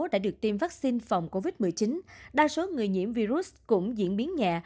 đã được tiêm vaccine phòng covid một mươi chín đa số người nhiễm virus cũng diễn biến nhẹ